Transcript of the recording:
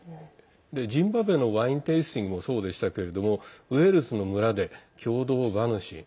ジンバブエのワインテイスティングもそうでしたけれどもウェールズの村で共同馬主。